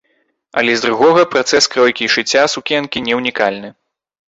Але з другога, працэс кройкі і шыцця сукенкі не ўнікальны.